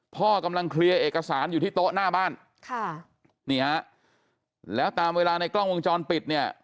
พ่อกำลังเคลียร์เอกสารอยู่ที่โต๊ะหน้าบ้านค่ะนี่ฮะแล้วตามเวลาในกล้องวงจรปิดเนี่ย